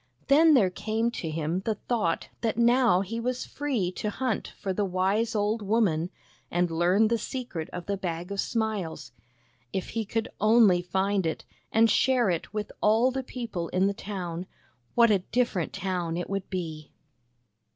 Then there came to him the thought that now he was free to hunt for the wise old woman, and learn the secret of the Bag of Smiles. If he could only find it, and share it with all the people in the town, what a different town it would be!